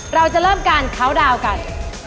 เราจะเริ่มการเคาน์ดาวน์กัน